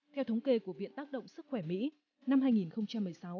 theo thống kê của viện tác động sức khỏe mỹ năm hai nghìn một mươi sáu